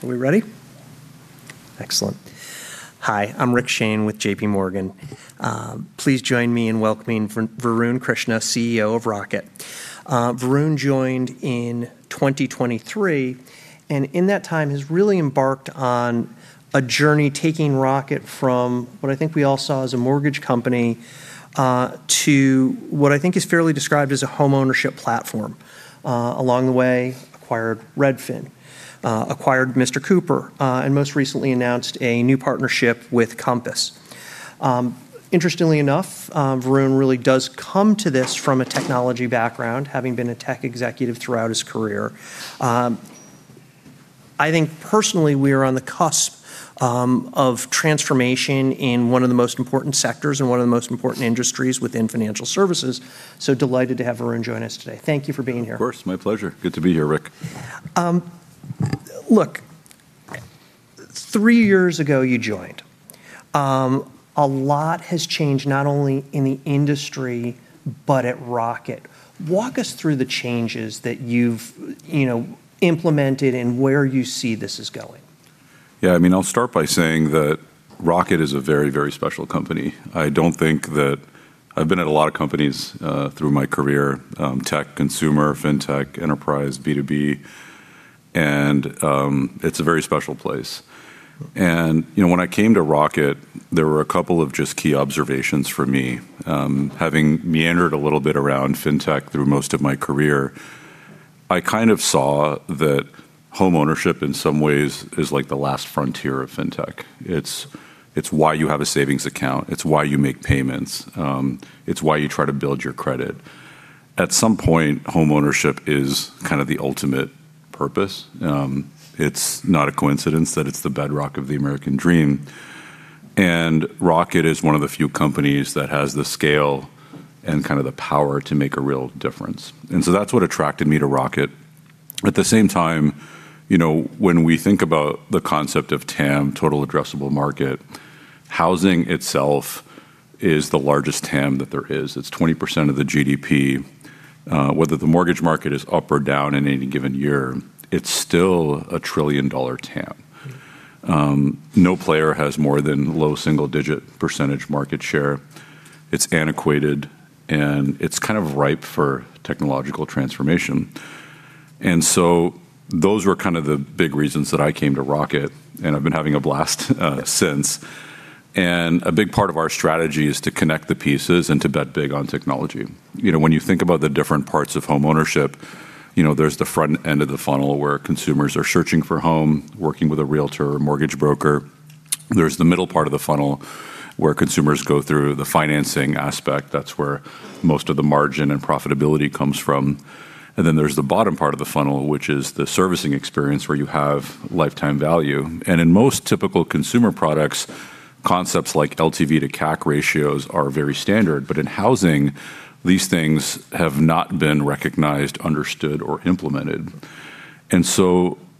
Are we ready? Excellent. Hi, I'm Rick Shane with J.P. Morgan. Please join me in welcoming Varun Krishna, CEO of Rocket. Varun joined in 2023, and in that time has really embarked on a journey taking Rocket from what I think we all saw as a mortgage company, to what I think is fairly described as a homeownership platform. Along the way, acquired Redfin, acquired Mr. Cooper, and most recently announced a new partnership with Compass. Interestingly enough, Varun really does come to this from a technology background, having been a tech executive throughout his career. I think personally we are on the cusp of transformation in one of the most important sectors and one of the most important industries within financial services, so delighted to have Varun join us today. Thank you for being here. Of course. My pleasure. Good to be here, Rick. Look, years ago you joined. A lot has changed, not only in the industry, but at Rocket. Walk us through the changes that you've, you know, implemented and where you see this as going. Yeah, I mean, I'll start by saying that Rocket is a very, very special company. I don't think that I've been at a lot of companies through my career, tech, consumer, fintech, enterprise, B2B, it's a very special place. You know, when I came to Rocket, there were a couple of just key observations for me. Having meandered a little bit around fintech through most of my career, I kind of saw that homeownership in some ways is like the last frontier of fintech. It's why you have a savings account. It's why you make payments. It's why you try to build your credit. At some point, homeownership is kind of the ultimate purpose. It's not a coincidence that it's the bedrock of the American dream, and Rocket is one of the few companies that has the scale and kind of the power to make a real difference. That's what attracted me to Rocket. At the same time, you know, when we think about the concept of TAM, total addressable market, housing itself is the largest TAM that there is. It's 20% of the GDP. Whether the mortgage market is up or down in any given year, it's still a $1 trillion TAM. No player has more than low single-digit percentage market share. It's antiquated, and it's kind of ripe for technological transformation. Those were kind of the big reasons that I came to Rocket, and I've been having a blast since. A big part of our strategy is to connect the pieces and to bet big on technology. You know, when you think about the different parts of homeownership, you know, there's the front end of the funnel, where consumers are searching for home, working with a realtor or mortgage broker. There's the middle part of the funnel, where consumers go through the financing aspect. That's where most of the margin and profitability comes from. Then there's the bottom part of the funnel, which is the servicing experience, where you have lifetime value. In most typical consumer products, concepts like LTV to CAC ratios are very standard. In housing, these things have not been recognized, understood, or implemented.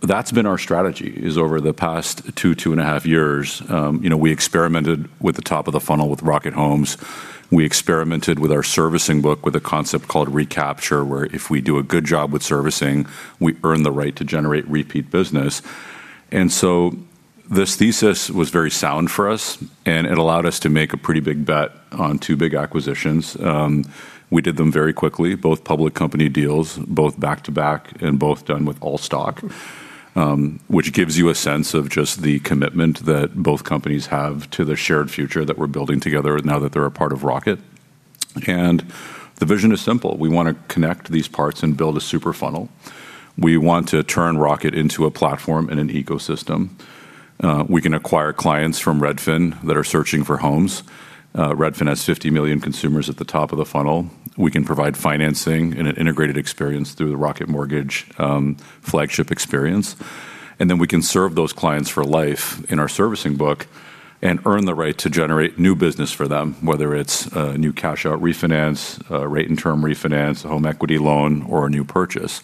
That's been our strategy, is over the past 2, two and a half years, you know, we experimented with the top of the funnel with Rocket Homes. We experimented with our servicing book with a concept called recapture, where if we do a good job with servicing, we earn the right to generate repeat business. This thesis was very sound for us, and it allowed us to make a pretty big bet on two big acquisitions. We did them very quickly, both public company deals, both back to back, and both done with all stock, which gives you a sense of just the commitment that both companies have to the shared future that we're building together now that they're a part of Rocket. The vision is simple. We wanna connect these parts and build a super funnel. We want to turn Rocket into a platform and an ecosystem. We can acquire clients from Redfin that are searching for homes. Redfin has 50 million consumers at the top of the funnel. We can provide financing in an integrated experience through the Rocket Mortgage flagship experience. We can serve those clients for life in our servicing book and earn the right to generate new business for them, whether it's a new cash out refinance, a rate and term refinance, a home equity loan, or a new purchase.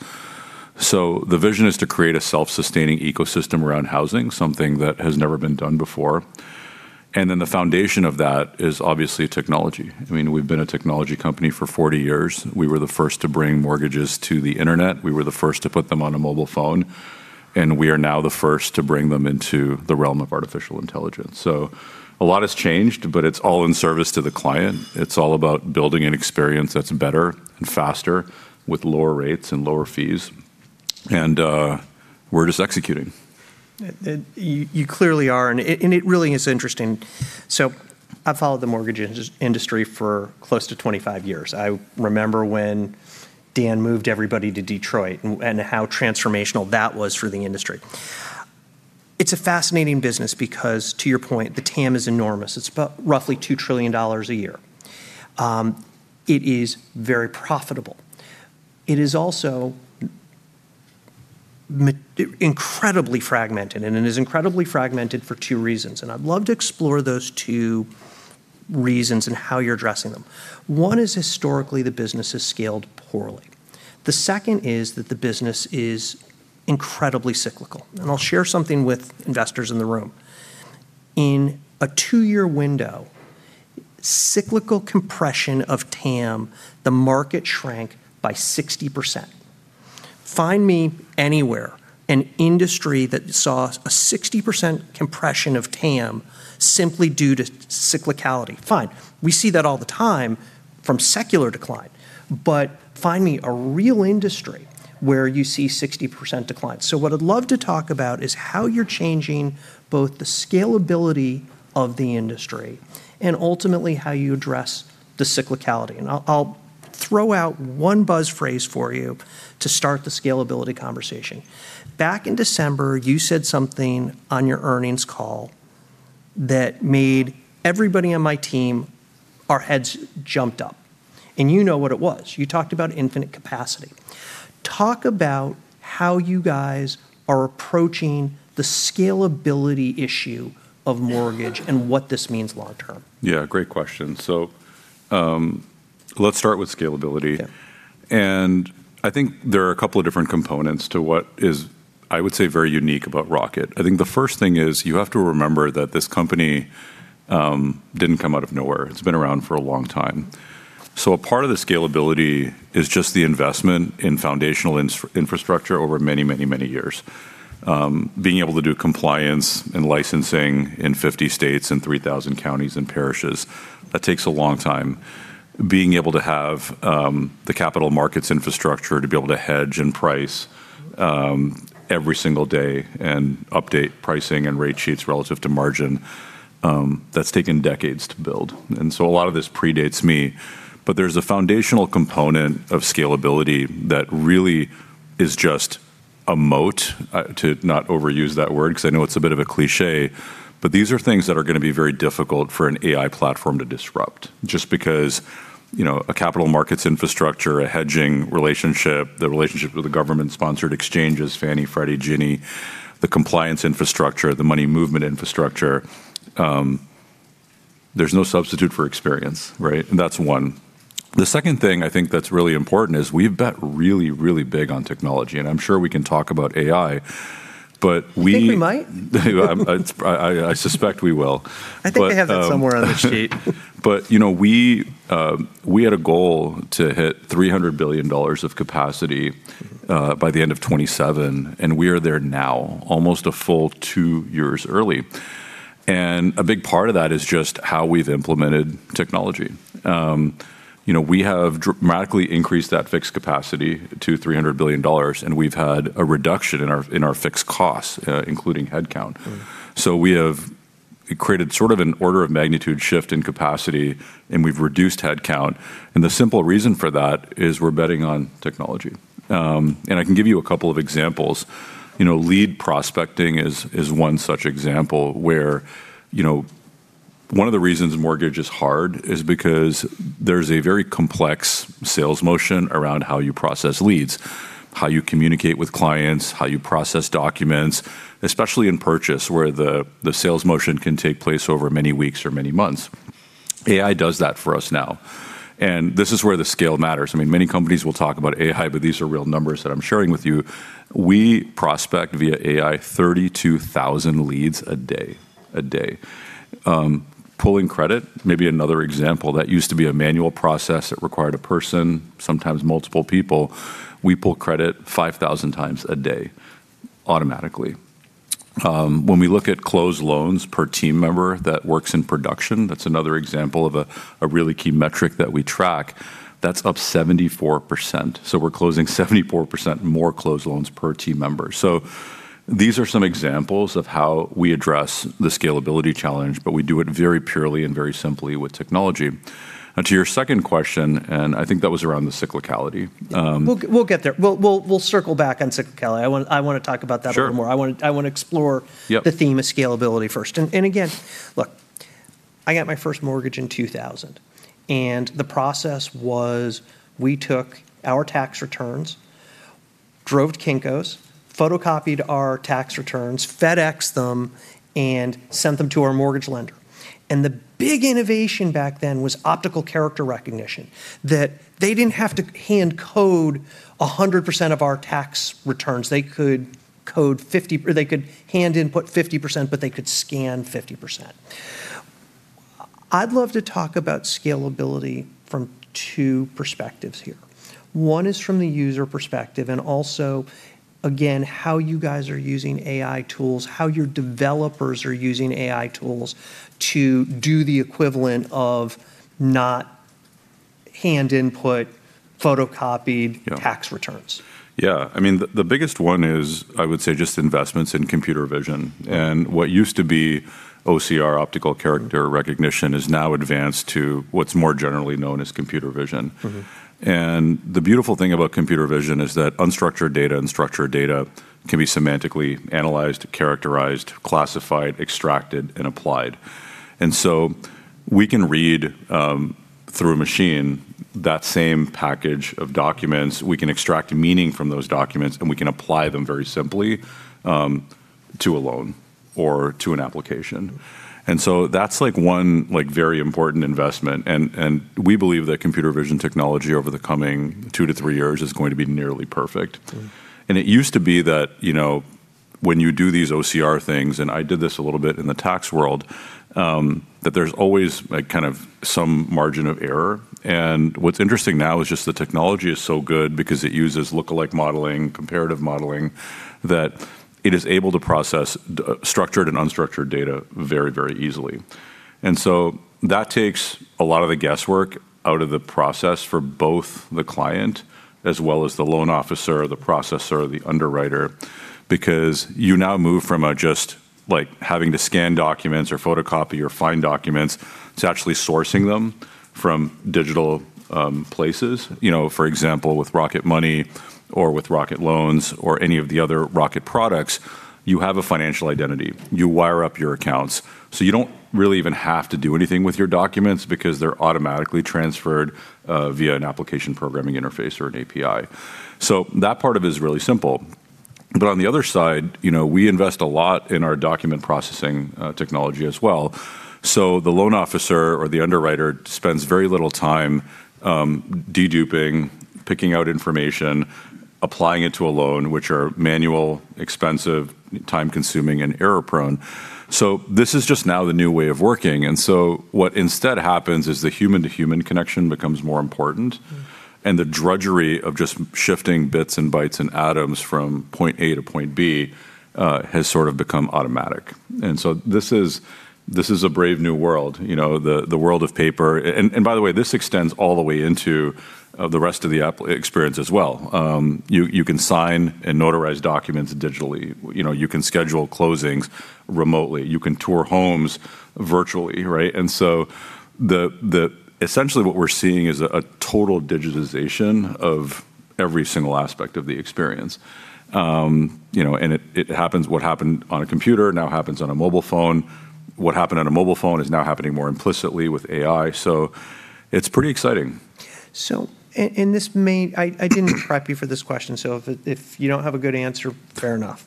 The vision is to create a self-sustaining ecosystem around housing, something that has never been done before. The foundation of that is obviously technology. I mean, we've been a technology company for 40 years. We were the first to bring mortgages to the internet. We were the first to put them on a mobile phone, and we are now the first to bring them into the realm of artificial intelligence. A lot has changed, but it's all in service to the client. It's all about building an experience that's better and faster with lower rates and lower fees, and we're just executing. You clearly are, and it really is interesting. I've followed the mortgage industry for close to 25 years. I remember when Dan moved everybody to Detroit and how transformational that was for the industry. It's a fascinating business because, to your point, the TAM is enormous. It's about roughly $2 trillion a year. It is very profitable. It is also incredibly fragmented, and it is incredibly fragmented for two reasons, and I'd love to explore those two reasons and how you're addressing them. One is historically the business has scaled poorly. The second is that the business is incredibly cyclical. I'll share something with investors in the room. In a two-year window. Cyclical compression of TAM, the market shrank by 60%. Find me anywhere an industry that saw a 60% compression of TAM simply due to cyclicality. We see that all the time from secular decline, but find me a real industry where you see 60% decline. What I'd love to talk about is how you're changing both the scalability of the industry and ultimately how you address the cyclicality. I'll throw out one buzz phrase for you to start the scalability conversation. Back in December, you said something on your earnings call that made everybody on my team, our heads jumped up, and you know what it was. You talked about infinite capacity. Talk about how you guys are approaching the scalability issue of mortgage and what this means long term. Yeah, great question. Let's start with scalability. Yeah. I think there are a couple of different components to what is, I would say, very unique about Rocket. I think the first thing is you have to remember that this company didn't come out of nowhere. It's been around for a long time. A part of the scalability is just the investment in foundational infrastructure over many years. Being able to do compliance and licensing in 50 states and 3,000 counties and parishes, that takes a long time. Being able to have the capital markets infrastructure to be able to hedge and price every single day and update pricing and rate sheets relative to margin, that's taken decades to build. A lot of this predates me. There's a foundational component of scalability that really is just a moat, to not overuse that word, 'cause I know it's a bit of a cliché, but these are things that are gonna be very difficult for an AI platform to disrupt. Just because, you know, a capital markets infrastructure, a hedging relationship, the relationship with the government-sponsored enterprises, Fannie, Freddie, Ginnie, the compliance infrastructure, the money movement infrastructure, there's no substitute for experience, right? That's one. The second thing I think that's really important is we've bet really, really big on technology, and I'm sure we can talk about AI. I think we might. I suspect we will. I think they have that somewhere on this sheet. You know, we had a goal to hit $300 billion of capacity by the end of 2027, and we are there now, almost a full two years early. A big part of that is just how we've implemented technology. You know, we have dramatically increased that fixed capacity to $300 billion, and we've had a reduction in our fixed costs, including headcount. Right. We have created sort of an order of magnitude shift in capacity, and we've reduced headcount. I can give you a couple of examples. You know, lead prospecting is one such example where, you know, one of the reasons mortgage is hard is because there's a very complex sales motion around how you process leads, how you communicate with clients, how you process documents, especially in purchase, where the sales motion can take place over many weeks or many months. AI does that for us now, this is where the scale matters. I mean, many companies will talk about AI, these are real numbers that I'm sharing with you. We prospect via AI 32,000 leads a day. A day. Pulling credit, maybe another example that used to be a manual process that required a person, sometimes multiple people. We pull credit 5,000 times a day automatically. When we look at closed loans per team member that works in production, that's another example of a really key metric that we track. That's up 74%, we're closing 74% more closed loans per team member. These are some examples of how we address the scalability challenge, but we do it very purely and very simply with technology. To your second question, and I think that was around the cyclicality. We'll get there. We'll circle back on cyclicality. I wanna talk about that a little more. Sure. I wanna explore. Yep. the theme of scalability first. Again, look, I got my first mortgage in 2000, and the process was we took our tax returns, drove to Kinko's, photocopied our tax returns, FedExed them, and sent them to our mortgage lender. The big innovation back then was optical character recognition, that they didn't have to hand-code 100% of our tax returns. They could hand input 50%, they could scan 50%. I'd love to talk about scalability from two perspectives here. One is from the user perspective, also, again, how you guys are using AI tools, how your developers are using AI tools to do the equivalent of not hand input photocopied- Yeah. tax returns. Yeah. I mean, the biggest one is, I would say, just investments in computer vision. What used to be OCR, optical character recognition, is now advanced to what's more generally known as computer vision. The beautiful thing about computer vision is that unstructured data and structured data can be semantically analyzed, characterized, classified, extracted, and applied. We can read through a machine that same package of documents. We can extract meaning from those documents, and we can apply them very simply to a loan or to an application. That's like one, like, very important investment, and we believe that computer vision technology over the coming two to three years is going to be nearly perfect. It used to be that, you know, when you do these OCR things, and I did this a little bit in the tax world, that there's always like kind of some margin of error. What's interesting now is just the technology is so good because it uses lookalike modeling, comparative modeling, that it is able to process structured and unstructured data very, very easily. So that takes a lot of the guesswork out of the process for both the client as well as the loan officer or the processor or the underwriter because you now move from a just like having to scan documents or photocopy or find documents to actually sourcing them from digital places. You know, for example, with Rocket Money or with Rocket Loans or any of the other Rocket products, you have a financial identity. You wire up your accounts. You don't really even have to do anything with your documents because they're automatically transferred via an application programming interface or an API. That part of it is really simple. On the other side, you know, we invest a lot in our document processing technology as well. The loan officer or the underwriter spends very little time deduping, picking out information, applying it to a loan, which are manual, expensive, time-consuming, and error-prone. This is just now the new way of working. What instead happens is the human-to-human connection becomes more important. The drudgery of just shifting bits and bytes and atoms from point A to point B has sort of become automatic. This is a brave new world. You know, the world of paper. By the way, this extends all the way into the rest of the app experience as well. You can sign and notarize documents digitally. You know, you can schedule closings remotely. You can tour homes virtually, right? Essentially what we're seeing is a total digitization of every single aspect of the experience. You know, what happened on a computer now happens on a mobile phone. What happened on a mobile phone is now happening more implicitly with AI. It's pretty exciting. I didn't prep you for this question, so if you don't have a good answer, fair enough.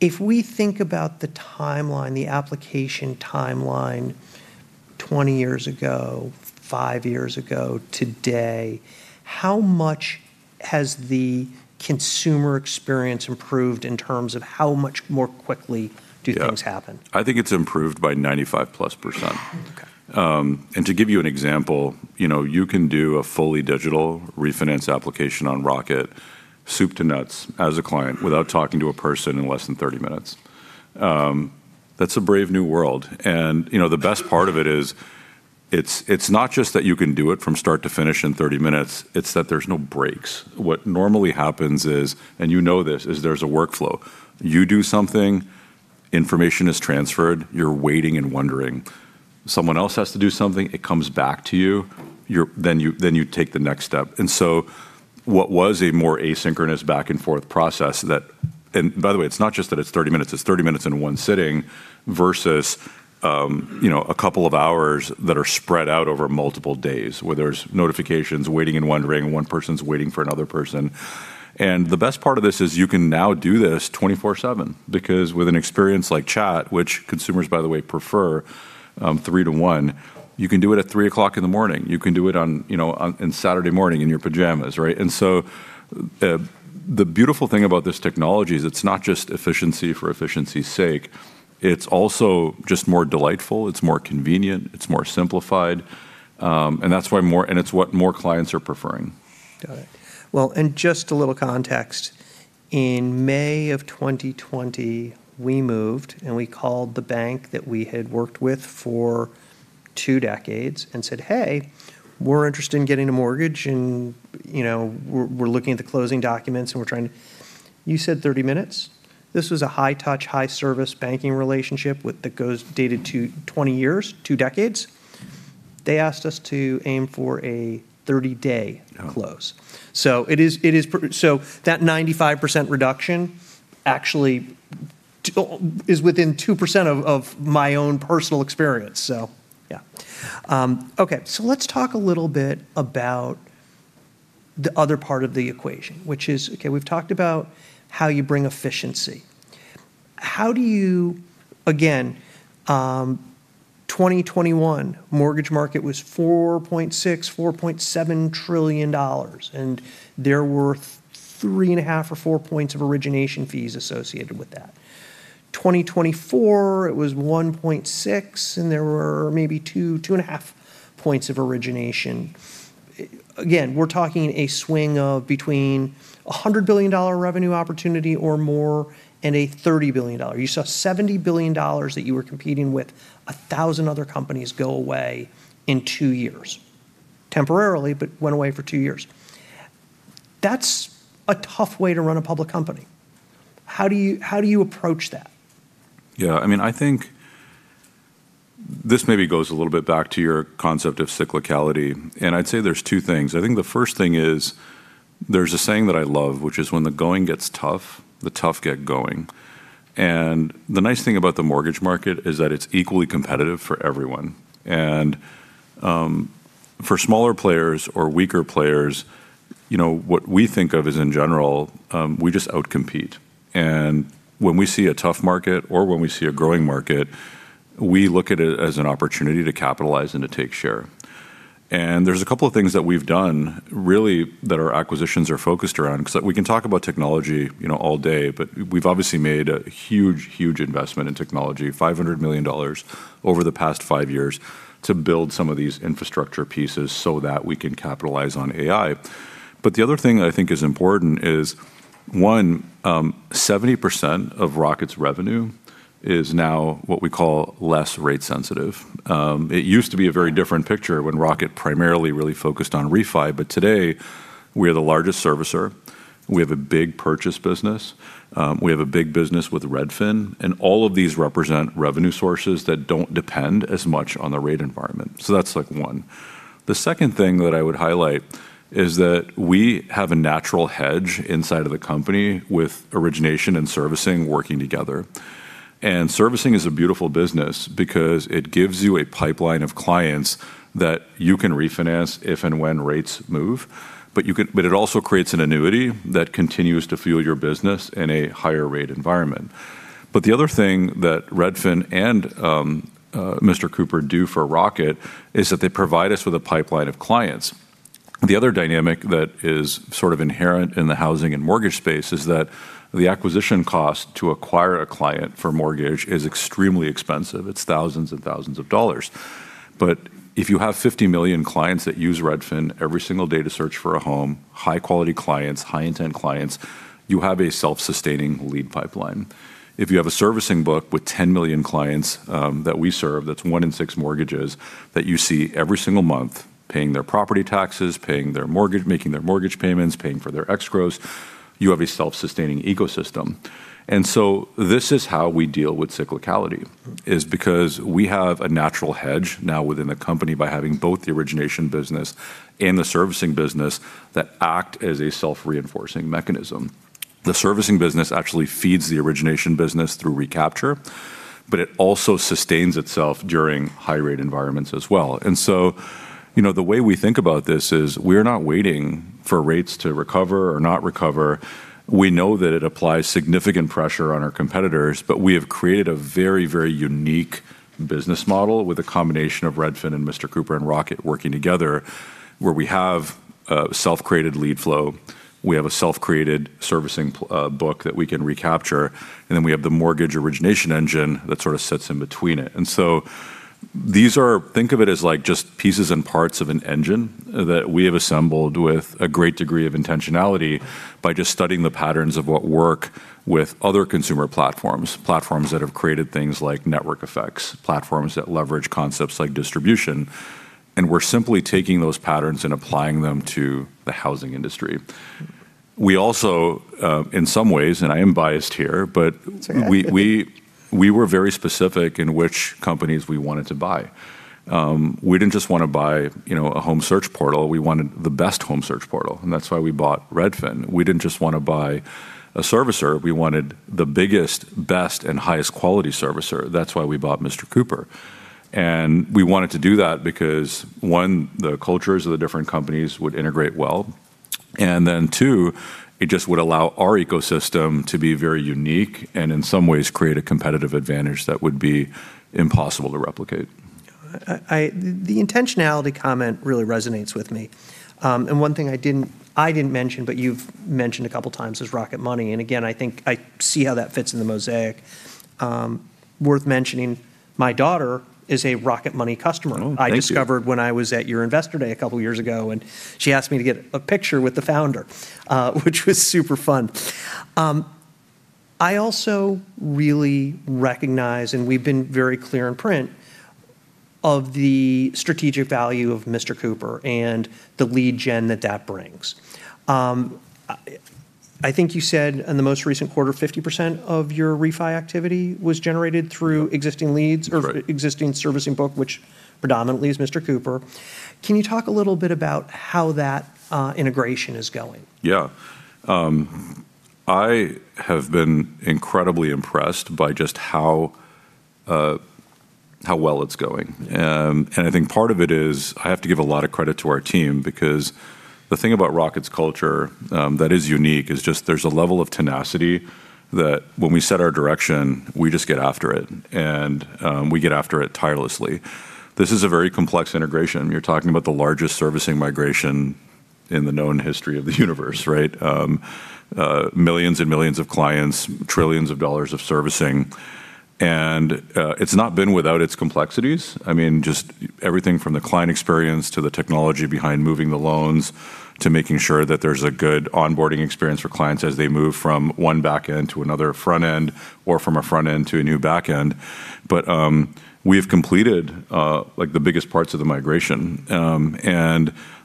If we think about the timeline, the application timeline 20 years ago, five years ago, today, how much has the consumer experience improved in terms of how much more quickly do things happen? Yeah. I think it's improved by 95%+. Okay. To give you an example, you know, you can do a fully digital refinance application on Rocket soup to nuts as a client without talking to a person in less than 30 minutes. That's a brave new world. You know, the best part of it is it's not just that you can do it from start to finish in 30 minutes, it's that there's no breaks. What normally happens is, and you know this, is there's a workflow. You do something, information is transferred, you're waiting and wondering. Someone else has to do something, it comes back to you, then you take the next step. What was a more asynchronous back and forth process that it's not just that it's 30 minutes, it's 30 minutes in one sitting versus, you know, a couple of hours that are spread out over multiple days where there's notifications, waiting and wondering, one person's waiting for another person. The best part of this is you can now do this 24/7 because with an experience like chat, which consumers prefer, 3 to 1, you can do it at 3:00 in the morning. You can do it on, you know, on, in Saturday morning in your pajamas, right? The beautiful thing about this technology is it's not just efficiency for efficiency's sake. It's also just more delightful, it's more convenient, it's more simplified. That's why and it's what more clients are preferring. Got it. Well, and just a little context. In May of 2020, we moved, and we called the bank that we had worked with for two decades and said, "Hey, we're interested in getting a mortgage, and, you know, we're looking at the closing documents, and we're trying to" You said 30 minutes. This was a high-touch, high-service banking relationship with that goes dated to 20 years, two decades. They asked us to aim for a 30-day- Oh. close. It is, it is that 95% reduction actually is within 2% of my own personal experience. Yeah. Okay. Let's talk a little bit about the other part of the equation, which is, okay, we've talked about how you bring efficiency. How do you 2021 mortgage market was $4.6 trillion-$4.7 trillion, and there were 3.5 or 4 points of origination fees associated with that. 2024 it was $1.6 trillion, and there were maybe 2-2.5 points of origination. We're talking a swing of between a $100 billion revenue opportunity or more and a $30 billion dollar. You saw $70 billion that you were competing with 1,000 other companies go away in two years. Temporarily, but went away for two years. That's a tough way to run a public company. How do you approach that? Yeah, I mean, I think this maybe goes a little bit back to your concept of cyclicality. I'd say there's two things. I think the first thing is there's a saying that I love, which is, "When the going gets tough, the tough get going." The nice thing about the mortgage market is that it's equally competitive for everyone. For smaller players or weaker players, you know, what we think of is in general, we just out-compete. When we see a tough market or when we see a growing market, we look at it as an opportunity to capitalize and to take share. There's a couple of things that we've done really that our acquisitions are focused around, cause we can talk about technology, you know, all day, but we've obviously made a huge investment in technology, $500 million over the past five years to build some of these infrastructure pieces so that we can capitalize on AI. The other thing that I think is important is, one, 70% of Rocket's revenue is now what we call less rate sensitive. It used to be a very different picture when Rocket primarily really focused on refi, but today we are the largest servicer. We have a big purchase business. We have a big business with Redfin, and all of these represent revenue sources that don't depend as much on the rate environment. That's, like, one. The second thing that I would highlight is that we have a natural hedge inside of the company with origination and servicing working together. Servicing is a beautiful business because it gives you a pipeline of clients that you can refinance if and when rates move. It also creates an annuity that continues to fuel your business in a higher rate environment. The other thing that Redfin and Mr. Cooper do for Rocket is that they provide us with a pipeline of clients. The other dynamic that is sort of inherent in the housing and mortgage space is that the acquisition cost to acquire a client for mortgage is extremely expensive. It's thousands and thousands of dollars. If you have 50 million clients that use Redfin every single day to search for a home, high-quality clients, high-intent clients, you have a self-sustaining lead pipeline. If you have a servicing book with 10 million clients that we serve, that's one in six mortgages that you see every single month paying their property taxes, paying their mortgage, making their mortgage payments, paying for their escrows, you have a self-sustaining ecosystem. This is how we deal with cyclicality, is because we have a natural hedge now within the company by having both the origination business and the servicing business that act as a self-reinforcing mechanism. The servicing business actually feeds the origination business through recapture, but it also sustains itself during high rate environments as well. You know, the way we think about this is we are not waiting for rates to recover or not recover. We know that it applies significant pressure on our competitors, but we have created a very, very unique business model with a combination of Redfin and Mr. Cooper and Rocket working together, where we have a self-created lead flow, we have a self-created servicing book that we can recapture, and then we have the mortgage origination engine that sort of sits in between it. think of it as, like, just pieces and parts of an engine that we have assembled with a great degree of intentionality by just studying the patterns of what work with other consumer platforms that have created things like network effects, platforms that leverage concepts like distribution, and we're simply taking those patterns and applying them to the housing industry. We also, in some ways, I am biased here. That's all right. We were very specific in which companies we wanted to buy. We didn't just wanna buy, you know, a home search portal. We wanted the best home search portal, and that's why we bought Redfin. We didn't just wanna buy a servicer. We wanted the biggest, best, and highest quality servicer. That's why we bought Mr. Cooper. We wanted to do that because, one, the cultures of the different companies would integrate well, then two, it just would allow our ecosystem to be very unique and in some ways create a competitive advantage that would be impossible to replicate. The intentionality comment really resonates with me. One thing I didn't mention, but you've mentioned a couple times is Rocket Money, and again, I think I see how that fits in the mosaic. Worth mentioning, my daughter is a Rocket Money customer. Oh, thank you. I discovered when I was at your Investor Day a couple years ago, and she asked me to get a picture with the founder, which was super fun. I also really recognize, and we've been very clear in print, of the strategic value of Mr. Cooper and the lead gen that that brings. I think you said in the most recent quarter, 50% of your refi activity was generated through existing leads. Right. or existing servicing book, which predominantly is Mr. Cooper. Can you talk a little bit about how that integration is going? Yeah. I have been incredibly impressed by just how well it's going. I think part of it is I have to give a lot of credit to our team because the thing about Rocket's culture that is unique is just there's a level of tenacity that when we set our direction, we just get after it, we get after it tirelessly. This is a very complex integration. You're talking about the largest servicing migration in the known history of the universe, right? millions and millions of clients, trillions of dollars of servicing, and it's not been without its complexities. I mean, just everything from the client experience to the technology behind moving the loans, to making sure that there's a good onboarding experience for clients as they move from one back end to another front end or from a front end to a new back end. We have completed the biggest parts of the migration.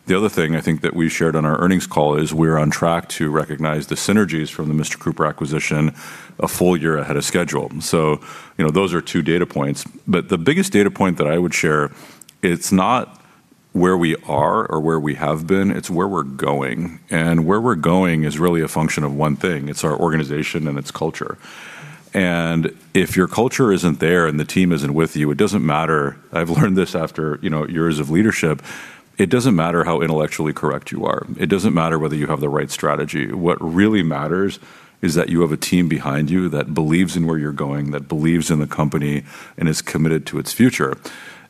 The other thing I think that we shared on our earnings call is we're on track to recognize the synergies from the Mr. Cooper acquisition a full year ahead of schedule. You know, those are two data points. The biggest data point that I would share, it's not where we are or where we have been, it's where we're going, and where we're going is really a function of one thing. It's our organization and its culture. If your culture isn't there and the team isn't with you, it doesn't matter. I've learned this after, you know, years of leadership. It doesn't matter how intellectually correct you are. It doesn't matter whether you have the right strategy. What really matters is that you have a team behind you that believes in where you're going, that believes in the company, and is committed to its future.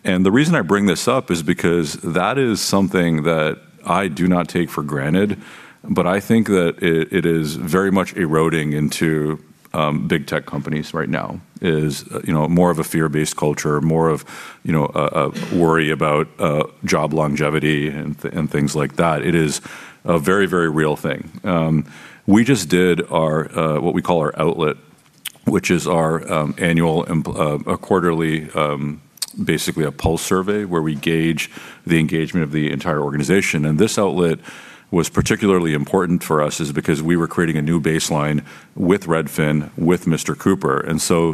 The reason I bring this up is because that is something that I do not take for granted, but I think that it is very much eroding into big tech companies right now, is, you know, more of a fear-based culture, more of, you know, a worry about job longevity and things like that. It is a very real thing. We just did our what we call our outlet, which is our a quarterly, basically a pulse survey where we gauge the engagement of the entire organization. This outlet was particularly important for us is because we were creating a new baseline with Redfin, with Mr. Cooper.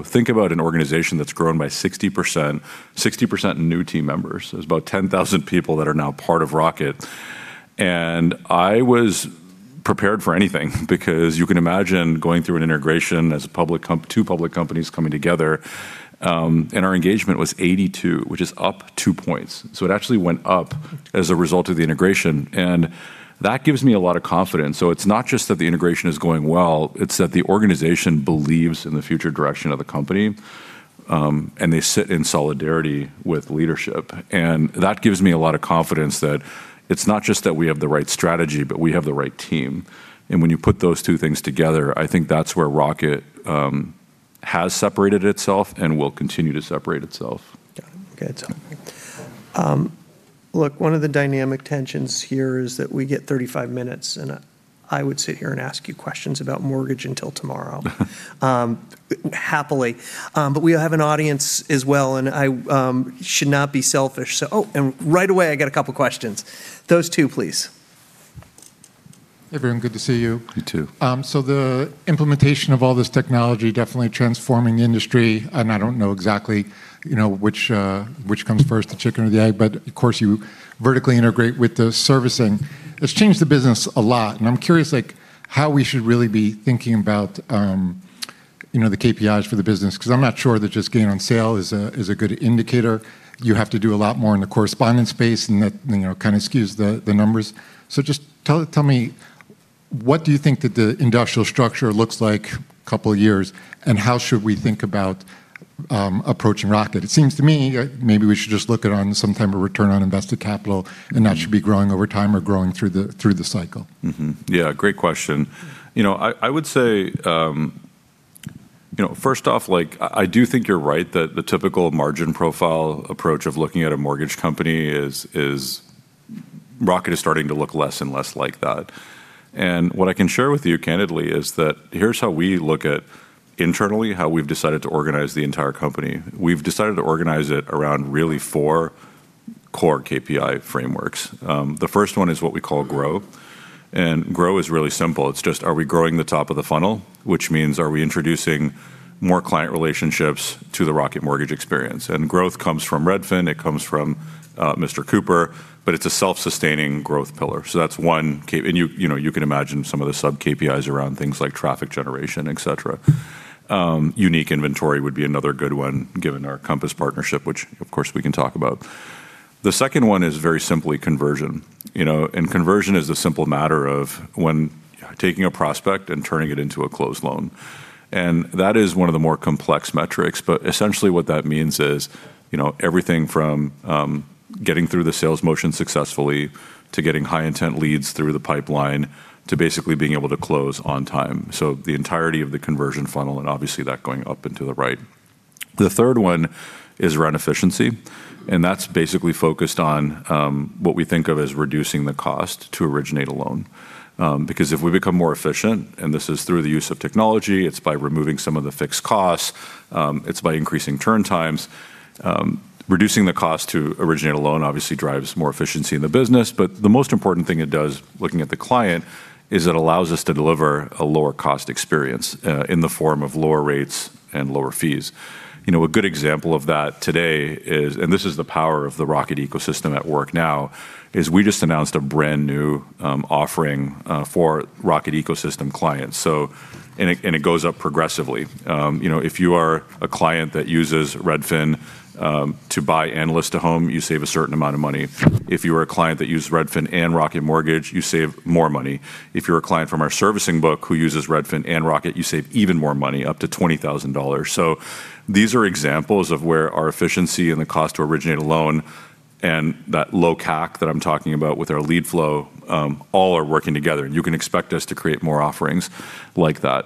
Think about an organization that's grown by 60%. 60% new team members. There's about 10,000 people that are now part of Rocket. I was prepared for anything because you can imagine going through an integration as two public companies coming together. Our engagement was 82, which is up 2 points. It actually went up as a result of the integration, and that gives me a lot of confidence. It's not just that the integration is going well, it's that the organization believes in the future direction of the company, and they sit in solidarity with leadership. That gives me a lot of confidence that it's not just that we have the right strategy, but we have the right team. When you put those two things together, I think that's where Rocket has separated itself and will continue to separate itself. Got it. Okay. Look, one of the dynamic tensions here is that we get 35 minutes. I would sit here and ask you questions about mortgage until tomorrow. Happily. We have an audience as well, and I should not be selfish. Right away, I got a couple questions. Those two, please. Hey, everyone. Good to see you. You too. The implementation of all this technology definitely transforming the industry, and I don't know exactly, you know, which comes first, the chicken or the egg. Of course, you vertically integrate with the servicing. It's changed the business a lot, and I'm curious, like, how we should really be thinking about, you know, the KPIs for the business because I'm not sure that just gain on sale is a good indicator. You have to do a lot more in the correspondent space, and that, you know, kind of skews the numbers. Just tell me, what do you think that the industrial structure looks like two years, and how should we think about approaching Rocket? It seems to me maybe we should just look at some type of return on invested capital. That should be growing over time or growing through the cycle. Yeah, great question. You know, I would say, you know, first off, like, I do think you're right that the typical margin profile approach of looking at a mortgage company is Rocket is starting to look less and less like that. What I can share with you candidly is that here's how we look at internally how we've decided to organize the entire company. We've decided to organize it around really four core KPI frameworks. The first one is what we call grow, and grow is really simple. It's just are we growing the top of the funnel, which means are we introducing more client relationships to the Rocket Mortgage experience? Growth comes from Redfin, it comes from Mr. Cooper, but it's a self-sustaining growth pillar. That's one KPI. You know, you can imagine some of the sub-KPIs around things like traffic generation, et cetera. Unique inventory would be another good one given our Compass partnership, which of course we can talk about. The second one is very simply conversion. You know, conversion is a simple matter of when taking a prospect and turning it into a closed loan. That is one of the more complex metrics. Essentially what that means is, you know, everything from getting through the sales motion successfully to getting high-intent leads through the pipeline to basically being able to close on time. The entirety of the conversion funnel and obviously that going up and to the right. The third one is run efficiency, and that's basically focused on what we think of as reducing the cost to originate a loan. Because if we become more efficient, and this is through the use of technology, it's by removing some of the fixed costs, it's by increasing turn times. Reducing the cost to originate a loan obviously drives more efficiency in the business. But the most important thing it does, looking at the client, is it allows us to deliver a lower cost experience, in the form of lower rates and lower fees. You know, a good example of that today is, and this is the power of the Rocket ecosystem at work now, is we just announced a brand new offering for Rocket ecosystem clients. And it goes up progressively. You know, if you are a client that uses Redfin to buy and list a home, you save a certain amount of money. If you are a client that uses Redfin and Rocket Mortgage, you save more money. If you're a client from our servicing book who uses Redfin and Rocket, you save even more money, up to $20,000. These are examples of where our efficiency and the cost to originate a loan and that low CAC that I'm talking about with our lead flow, all are working together, and you can expect us to create more offerings like that.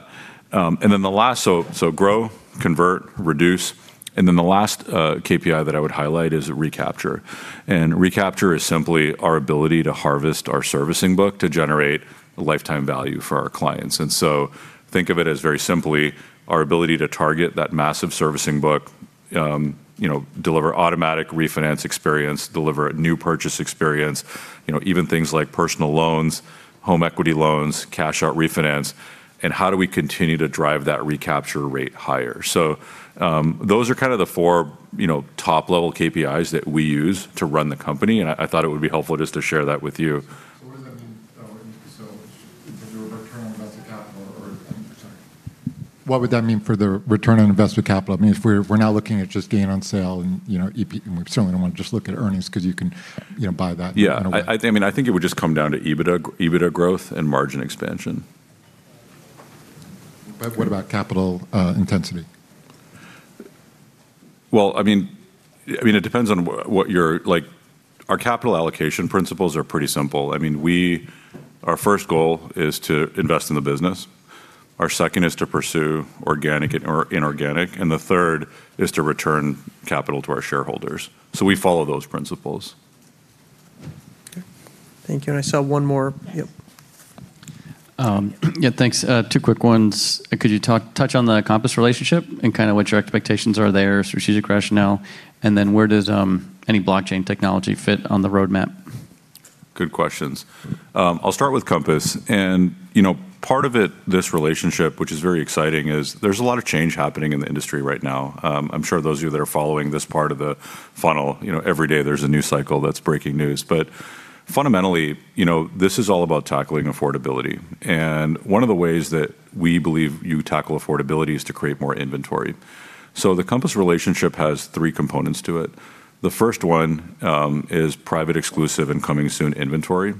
grow, convert, reduce, and then the last KPI that I would highlight is recapture. Recapture is simply our ability to harvest our servicing book to generate a lifetime value for our clients. Think of it as very simply our ability to target that massive servicing book, you know, deliver automatic refinance experience, deliver a new purchase experience, you know, even things like personal loans, home equity loans, cash out refinance, and how do we continue to drive that recapture rate higher. Those are kind of the four, you know, top-level KPIs that we use to run the company, and I thought it would be helpful just to share that with you. What does that mean, is it a return on invested capital or? Sorry. What would that mean for the return on invested capital? I mean, if we're now looking at just gain on sale and, you know, we certainly don't want to just look at earnings because you can, you know, buy that. Yeah. I mean, I think it would just come down to EBITDA growth and margin expansion. What about capital intensity? I mean, it depends on what you're Like, our capital allocation principles are pretty simple. I mean, we, our first goal is to invest in the business. Our second is to pursue organic and, or inorganic. The third is to return capital to our shareholders. We follow those principles. Okay. Thank you, and I saw one more. Yep. Yeah, thanks. Two quick ones. Could you talk, touch on the Compass relationship and kind of what your expectations are there, strategic rationale? Where does any blockchain technology fit on the roadmap? Good questions. I'll start with Compass. You know, part of it, this relationship, which is very exciting, is there's a lot of change happening in the industry right now. I'm sure those of you that are following this part of the funnel, you know, every day there's a news cycle that's breaking news. Fundamentally, you know, this is all about tackling affordability. One of the ways that we believe you tackle affordability is to create more inventory. The Compass relationship has three components to it. The first one is private exclusive and coming soon inventory.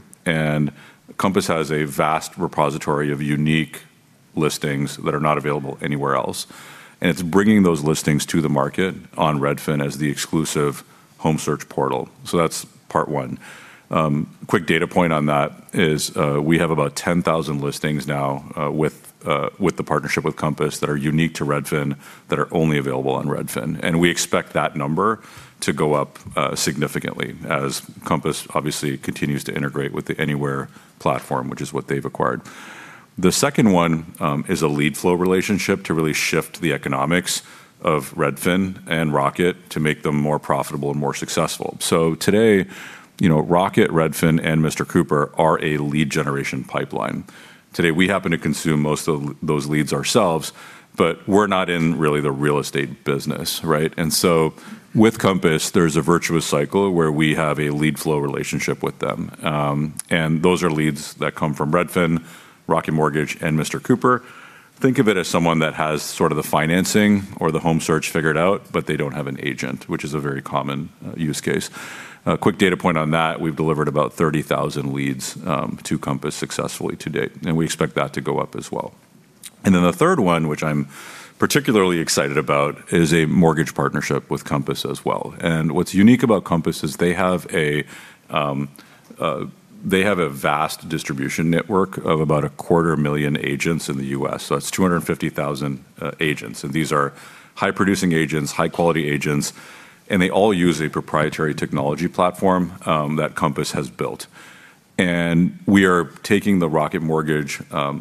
Compass has a vast repository of unique listings that are not available anywhere else, and it's bringing those listings to the market on Redfin as the exclusive home search portal. That's part one. Quick data point on that is, we have about 10,000 listings now, with the partnership with Compass that are unique to Redfin that are only available on Redfin. We expect that number to go up significantly as Compass obviously continues to integrate with the Anywhere platform, which is what they've acquired. The second one is a lead flow relationship to really shift the economics of Redfin and Rocket to make them more profitable and more successful. Today, you know, Rocket, Redfin, and Mr. Cooper are a lead generation pipeline. Today, we happen to consume most of those leads ourselves, but we're not in really the real estate business, right? With Compass, there's a virtuous cycle where we have a lead flow relationship with them. Those are leads that come from Redfin, Rocket Mortgage, and Mr. Cooper. Think of it as someone that has sort of the financing or the home search figured out, but they don't have an agent, which is a very common use case. A quick data point on that, we've delivered about 30,000 leads to Compass successfully to date, we expect that to go up as well. The third one, which I'm particularly excited about, is a mortgage partnership with Compass as well. What's unique about Compass is they have a vast distribution network of about a quarter million agents in the U.S. That's 250,000 agents. These are high-producing agents, high-quality agents, and they all use a proprietary technology platform that Compass has built. We are taking the Rocket Mortgage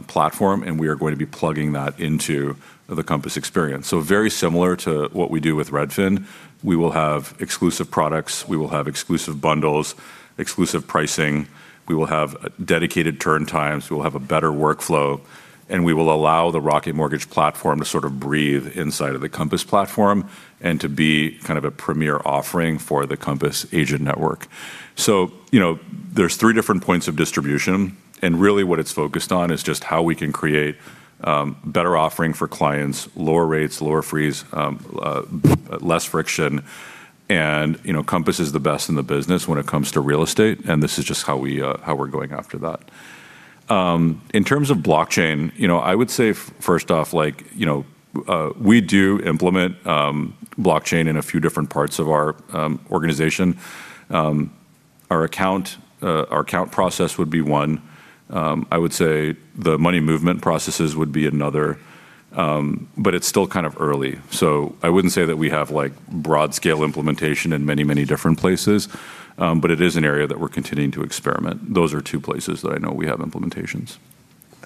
platform, and we are going to be plugging that into the Compass experience. Very similar to what we do with Redfin, we will have exclusive products, we will have exclusive bundles, exclusive pricing. We will have dedicated turn times. We will have a better workflow, and we will allow the Rocket Mortgage platform to sort of breathe inside of the Compass platform and to be kind of a premier offering for the Compass agent network. You know, there's three different points of distribution, and really what it's focused on is just how we can create better offering for clients, lower rates, lower fees, less friction. You know, Compass is the best in the business when it comes to real estate, and this is just how we how we're going after that. In terms of blockchain, you know, I would say first off, like, you know, we do implement blockchain in a few different parts of our organization. Our account process would be one. I would say the money movement processes would be another. It's still kind of early. I wouldn't say that we have like broad scale implementation in many different places. It is an area that we're continuing to experiment. Those are two places that I know we have implementations.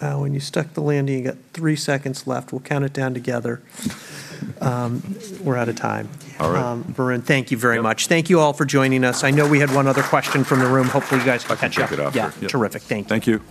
When you stuck the landing, you got three seconds left. We'll count it down together. We're out of time. All right. Varun, thank you very much. Yep. Thank you all for joining us. I know we had one other question from the room. Hopefully, you guys can catch up. Check it after. Yeah. Terrific. Thank you. Thank you.